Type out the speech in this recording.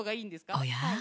おや？